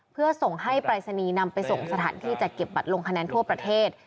เพื่อส่งให้ปรายศนีย์นำไปส่งสถานที่จัดเก็บบัตรลงคะแนนทั่วประเทศ